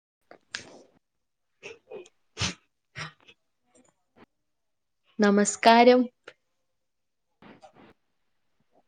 [unintelligible] [inaudible] നമസ്ക്കാരം.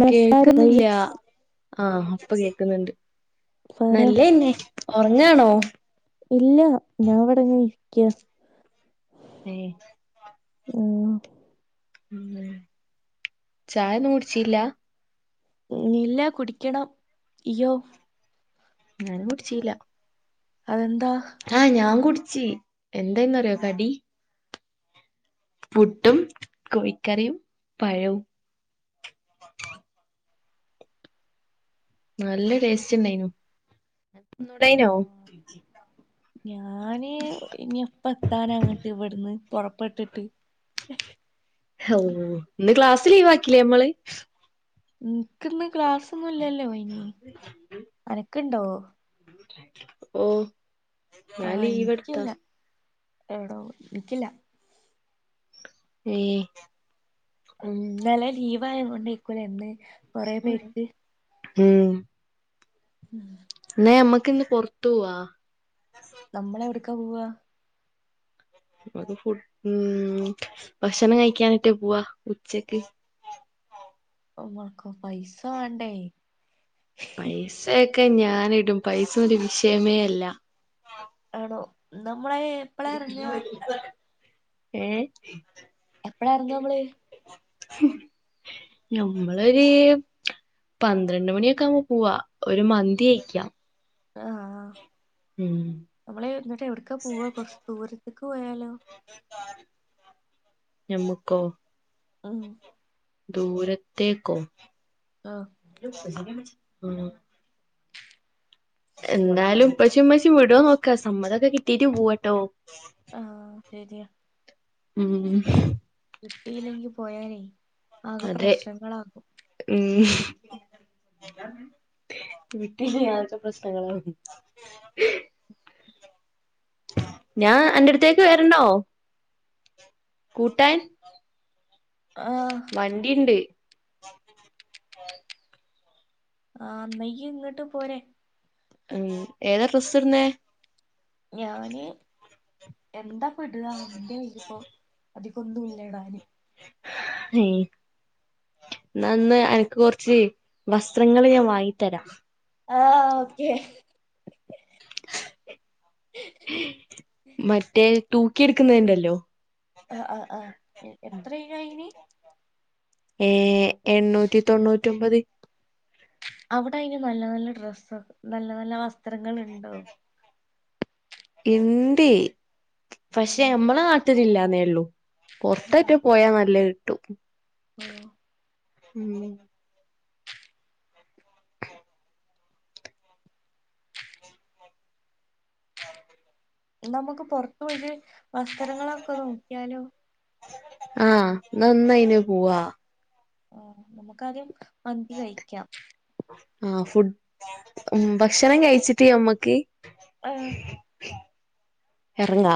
നമസ്കാരം കേൾക്കുന്നില്ല. ദയും ആഹ്, ഇപ്പ കേക്കുന്നുണ്ട്. പറ നല്ലെന്നെ. ഒർങ്ങാണോ? കയാ എ മ് ചായന്ന് ടിച്ചില്ല ഇല്ല. കുടിക്കണം. ഇയ്യൊ? ഞാനും കുടിച്ചീല്ലാ അതെന്ത്‌.... ആ ഞാൻ കുടിച്ചി. എന്താന്നറിയോ കടി? പുട്ടും, കോഴിക്കറിയും, പഴവും. നല്ല ടേസ്റ്റ് ഉണ്ടായിനോ? ഇണ്ടായിനോ? ഞാന് ഇനിപ്പ എത്താന അങ്ങട്ട് ഇവിടുന്ന്. പുറപ്പെട്ടിട്ട്. [inaudible] ഓ. ഇന്ന് ക്ലാസ് ലീവ് ആക്കിലെ.. മ്മള്. ഇനിക്ക് ന്ന് ക്ലാസൊന്നും ഇല്ലല്ലോ. ഇനി അനക്ക്‌ ഇണ്ടോ? ഓ ഞാ ആഹ് ലീവെടുത്താ. എനിക്കില്ല എടോ ഇനിക്കില്ല. ഏ... ഉം! ന്നലെ ലീവ് ആയോണ്ടയ്ക്കുലെ, ന്ന്. സ്കൂൾ ല്ലേ? മ്... ഉം. എ മ്മക്ക് ന്ന് പൊർത്ത് വാ. നമ്മള് എവിടക്കാ പോവ്വാ.. മ്മക്ക് ഫു മ് ഭക്ഷണം കഴിക്കാനെറ്റെ പോവാ ഉച്ചക്ക്. ഉമക്കോ പൈസ വാണ്ടേ? പൈസയൊക്കെ ഞാനിടും. പൈസ രു വിഷയമേ അല്ല. ആണോ നമ്മള് എപ്പളാ ഇറങ്ങാ ഏ. എപ്പളാ എറങ്ങാ മ്മള്? ഞമ്മളൊര്. പന്ത്രണ്ട് മണിയൊക്കെ ആവുമ്പോ പോവാ. ഒരു മന്തിയ്ക്കാ. ആഹാ. മ്മള് എന്നിട്ട് എവിടക്കാ പോവാ? കൊറച്ച് ദൂരത്തേക്ക് പോയാലോ? ഞമ്മക്കോ? ഉം. ദൂരത്തേക്കോ?. ആഹ് എന്തായാലും ഉപ്പച്ചിയും ഉമ്മച്ചിയും വിടോ നോക്കാ. സമ്മതൊക്കെ കിട്ടീട്ട് പോവാട്ടോ. ആഹ ശരിയാ ഉം കിട്ടിയില്ലെങ്കി പോയാലേ ആകെ അതെ പ്രശ്നങ്ങളാകും ഉ വീട്ടിനകത്തെ പ്രശ്നങ്ങള ഞാൻ അന്റെറ അടുത്തേക്ക് വരണോ കൂട്ടാൻ ആഹ് വണ്ടി ഒണ്ട് [unintelligible] ആ അന്നഈയ് ഇങ്ങോട്ട് പോരെ ഉം ഏതാ ഡ്രസ്സ് ഇടുന്നേ ഞാന് എന്താ [inaudible] എനിക്കൊന്നുമില്ല ഇടാന് ഹ എന്ന അനക്ക് കുറച്ച് വസ്ത്രങ്ങൾ ഞാൻ വാങ്ങി തരാം ആ ഓക്കെ മറ്റേ തൂക്കിടുക്കുന്നണ്ടല്ലോ ആ ആ ആ എത്രയ ഇനി ഏ എണ്ണൂറ്റി തൊണ്ണൂറ്റോമ്പത് അവിടെ അയിന് നല്ല നല്ല ഡ്രെസ്സ് നല്ല നല്ല വസ്ത്രങ്ങൾ ഉണ്ടോ ഇണ്ട് പക്ഷെ ഉം നമ്മടെ നാട്ടില ഇല്ലാന്നേ ഉള്ളു പുറത്തൊക്കെ പോയാ നല്ലയ് കിട്ടും ഉം ഉം ആ നമുക്ക് പുറത്ത് പോയിട്ട്. വസ്ത്രങ്ങളൊക്കെ നോക്കിയാലോ ആ എന്ന ഇന്നയിന് പോവാ ആ നമുക്കാദ്യം മന്തി കഴിക്കാം ആ ഫുഡ് ഉ ഭക്ഷണം കഴിച്ചിട്ട്‌ ഞമ്മക്ക് ആ ഇറങ്ങാ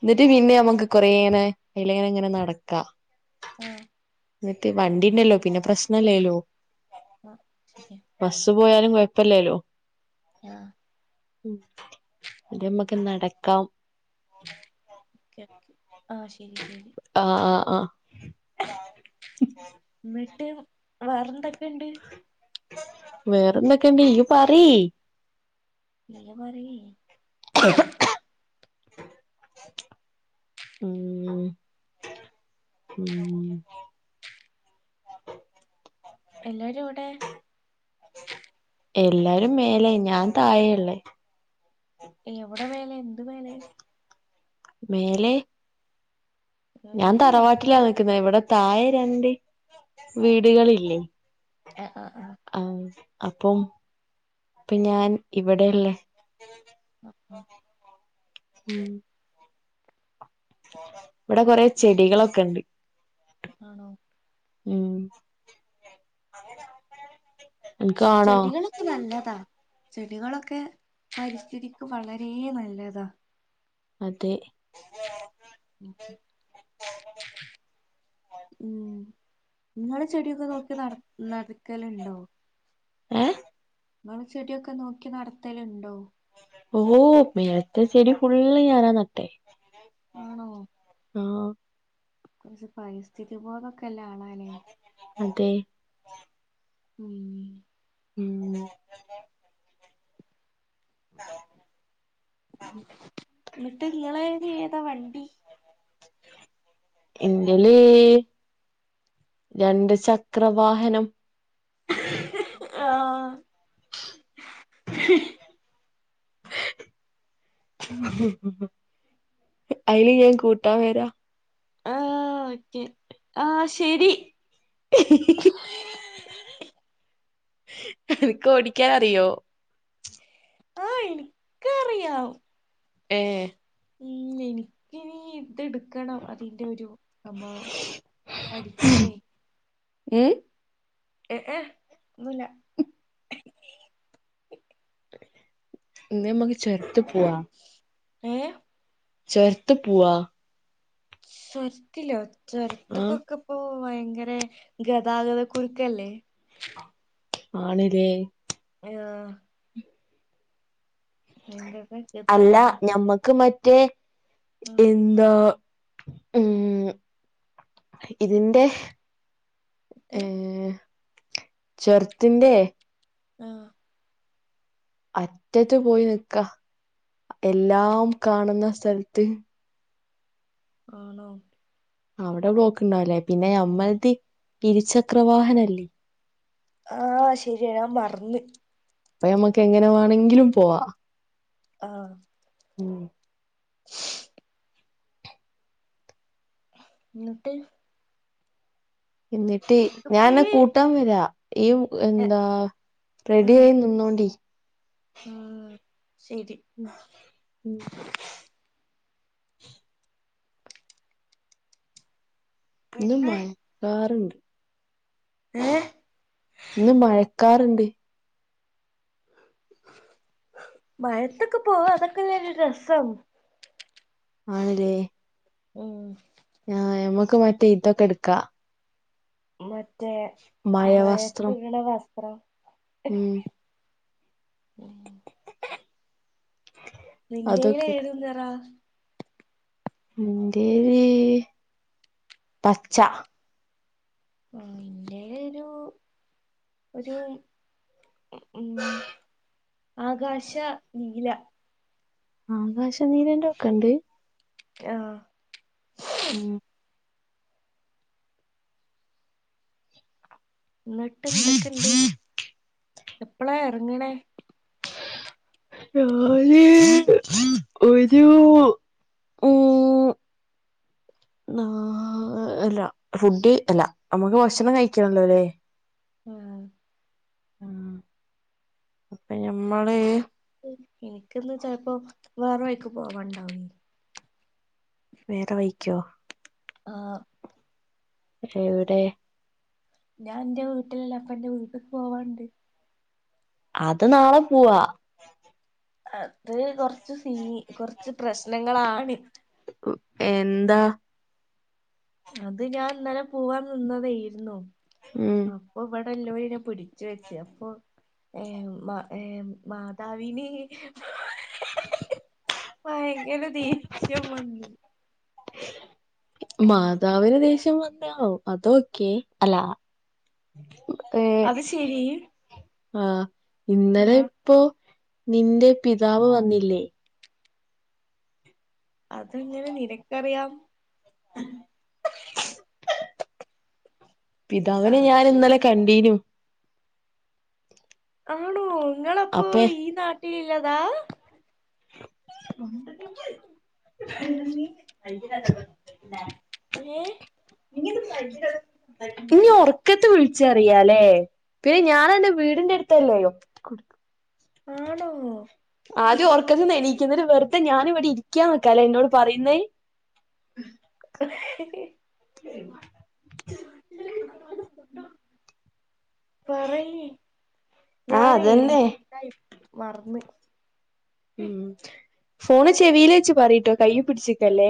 എന്നിട്ട് പിന്നെ നമക്ക് കുറെ അെ അതിലെഇങ്ങനെ നടക്കാ ഉം എന്നിട്ടേ വണ്ടി ഉണ്ടല്ലോ പിന്നെ പ്രശ്നംല്ലേല്ലോ ആ ശരിയ പോയാലും കുഴപ്പമില്ലല്ലോ ആ ഉ നമ്മക്ക് നടക്കാം ആ ശരി ശരി ആ ആ ആ എന്നിട്ട് വേറെ എന്തൊക്കെയുണ്ട് വേറെന്തൊക്കെയുണ്ട്ഇയ്യ് പറയ് ഇ പറ ഉം ഉം എല്ലാരും എവിടെ എല്ലാരും മേലെ ഞാൻ താഴയ ഉള്ള എവിടെ മേലെ എന്ത് മേലെ മേലെ ഞാൻ എന്ത് തറവാട്ടിലാ നിക്കുന്ന ഇവിടെ താഴെ രണ്ട് വീടുകളില്ലേ ആ ആ ആ അപ്പം ഇപ്പൊ ഞാൻ ഇവിടെയല്ലേ അ മ് ഇവ്ടെ കൊറേ ചെടികളൊക്കണ്ട് ആണോ മ് [inaudible] ചെടികളൊക്കെ നല്ലതാ ചെടികളൊക്കെ പരിസ്ഥിതിക്ക് വളരെ നല്ലതാ അതെ [inaudible] [inaudible] മ് ങ്ങള് ചെടിയൊക്കെ നോക്കി നട് നട്ക്കല്ണ്ടോ ഏ ങ്ങള് ചെടിയൊക്കെ നോക്കി നട്ത്തല്ണ്ടോ ഓ മേലെത്തെ ചെടി ഫുള്ള് ഞാനാ നട്ടെ ആണോ ആ കുറച്ച് പരിസ്ഥിതി ബോധൊക്കല്ലെ ആളാലേ അതെ മ് മ് [inaudible] [inaudible] ന്നട്ട് ങ്ങളെനിഏതാ വണ്ടി ഇന്റേല് രണ്ട് ചക്രം വാഹനം ആ ഇ ഹ് [inaudible] അയ്ല് ഞാൻ കൂട്ടാൻ വരാ ആ ഓക്കെ ആ ശെരി [inaudible] [inaudible] അനക്ക് ഓടിക്കാനറിയോ ആ ഇൻക്കറിയാം ഏ മ് ഇൻക്കിനി ഇതെട് ക്കണം അതിന്റെ ഒരു സംഭവം പഠിച്ച്ട്ടെ ഏ എ എ ഒന്നുല്ല ഇന്നമ്മക്ക് ചൊര്ത്ത് പോവാ ഏ ചൊര്ത്ത് പോവാ ചൊരത്തില്ലോ ആ ചൊര്ത്ത്ക്കൊക്കെ പ്പോ ഭയങ്കര ഗതാഗത കുരുക്കല്ലേ ആണ്ലേ ആ അല്ല ഗതാഗത ഞമ്മക്ക് മറ്റേ ആഹ് എന്താ മ് ഇത് ന്റെ ഏ ചോര്ത്തിന്റെ ആ അറ്റത്ത് പോയി നിക്കാ എല്ലാം കാണുന്ന സ്ഥലത്ത് ആണോ അവിടെ ബ്ലോക്ക് ഇണ്ടാവുല്ല പിന്നെ നമ്മൾത് ഇരുചക്രവാഹനല്ലേ ആ ശരിയ ഞാൻ മർന്ന് അപ്പൊമ്മക്ക് എങ്ങനെ വേണങ്കിലും പോവാ ആ മ് [inaudible] ന്നിട്ട് എന്നിട്ട് ഞാ അന്നെ ഇതിപ്പയ്യ് കൂട്ടാൻ വരാ ഇയ് എ എന്താ റെഡി ആയി നിന്നോണ്ടി മ് ഉ ഉം ഇന്ന് പിന്നെ മയക്കാറ്ണ്ട് ഏഹ് ഇന്ന് മഴക്കാറ്ണ്ട് മഴത്തൊക്കെ പോവാ അതൊക്കെല്ല ഒരു രസം ആണ്ല്ലേ ഉം ആ മ്മക്ക് മറ്റേ ഇതൊക്കെ എട്ക്കാ മറ്റേ മഴവസ്ത്രം മഴത്ത്ട്ണ വസ്ത്രം ഉം ഉം നിന്റെല് അതൊക്കെ ഏത് നിറാ ഇന്റേല് പച്ച മ് ഇന്റേല് ഒരു ഒരു മ് ആകാശ നീല ആകാശ നീലന്റെക്കെ ണ്ട് ആഹ് ഉം ന്നിട്ട് എന്തെക്കിണ്ട് എപ്പളാ എർങ്ങണേ? ഞാന് ഒരൂ എഹ് അല്ല ഫുഡ് അല്ല നമ്മക്ക് ഭക്ഷണം കഴിക്കണം ല്ലോലേ ആഹ് ആഹ് അപ്പ ഞമ്മള് [unintelligible] കേക്കുമ്പോ ചെലപ്പോ വേറ വഴിക്ക് പോവണ്ടായി വേറെ വഴിക്കോ? ആഹ് പക്ഷെ എവിടെ? ഞാൻ ഇന്റെ വീട്ടില്ലപ്പ ഇന്റെ വീട്ടിക്ക് പോവാണ്ട്. അത് നാളെ പോവാ. അത് കൊറച്ച് സീ കൊറച്ച് പ്രശ്നങ്ങളാണ് എന്താ? അത് ഞാൻ ഇന്നലെ പോവാൻ നിന്നതേര്ന്നു ഉം അപ്പൊ ഇവ എല്ലോലെന്നെ പിടിച്ച് വെച്ച് അപ്പൊ ഏഹ് ഏഹ് മാതാവിന് ഭയങ്കര ദേഷ്യം വന്നു മാതാവിന് ദേഷ്യം വന്നാ അത് ഓക്കെ അല്ലാ അത് ശെരി ആഹ് ഇന്നലെ ഇപ്പൊ നിന്റെ പിതാവ് വന്നില്ലേ? അതെങ്ങനെ നിനക്കറിയാം പിതാവിനെ ഞാൻ ഇന്നലെ കണ്ടീനു. ആണോ ഇങ്ങളപ്പൊ അപ്പേ ഈ നാട്ടീലിള്ളതാ? ഏ ഇനി ഒറക്കത്ത് വിളിച്ചറിയാലേ കൊട് ആണോ ആദ്യം ഒർക്കത്തിന്ന് എണീക്ക് ന്നിട്ട് വെർതെ ഞാനിവിടെ ഇരി ക്ക്യാനിക്കാല്ലേ ഇന്നോട് പറയിന്നേയ് [inaudible] പറയീ ആഹ് ഞാനേയ് ഉം അതന്നെ [unintelligible] മറന്ന് ഉം ഫോണ് ചെവീല് വെച്ച് പറയ്ട്ടോ കയ്യ് പിടിച്ച്ക്കല്ലേ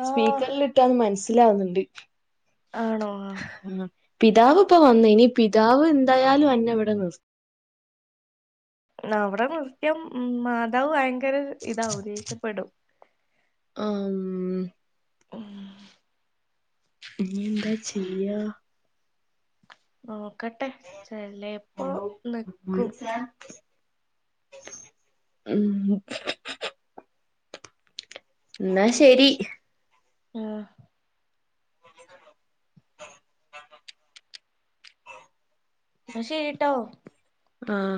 ആഹ് സ്പീക്കറിലിട്ടാന്ന് മൻസ്സിലാവുന്നുണ്ട് ആണോ പിതാവ് ഇപ്പൊ വന്നു ഇനിപ് പിതാവ് എന്തായാലും അന്ന ഇവടെ നിർ ന്നാ അവടെ നിർത്തിയാ ഉം മാതാവ് ഭയങ്കര ഇതാവും ദേഷ്യപ്പെടും ആം ഉം ഇനിയെന്താ ചെയ്യാ നോക്കട്ടെ ചെലേപ്പൊ ഹലോ ഗുഡ് നിക്കും മോർണിംഗ് സാർ ഉം ന്നാ ശരി ആഹ് ന്നാ ശരീട്ടോ ആഹ്